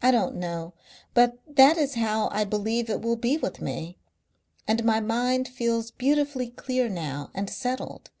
I don't know, but that is how I believe it will be with me. And my mind feels beautifully clear now and settled.